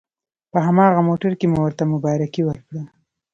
په هماغه موټر کې مو ورته مبارکي ورکړه.